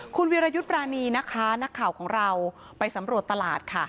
คุณวิรยุทธ์ปรานีนะคะนักข่าวของเราไปสำรวจตลาดค่ะ